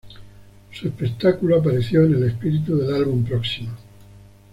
Su espectáculo apareció en el espíritu del álbum próximo.